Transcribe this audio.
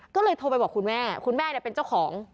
ก็เลยโทรไปบอกคุณแม่คุณแม่เป็นเจ้าของ